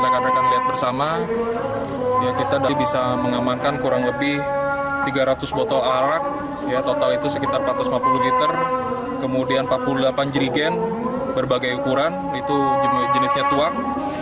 rekan rekan lihat bersama kita bisa mengamankan kurang lebih tiga ratus botol arak total itu sekitar empat ratus lima puluh liter kemudian empat puluh delapan jerigen berbagai ukuran itu jenisnya tuak